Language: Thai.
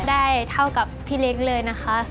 ได้เท่ากับพี่เล็กเลยนะคะ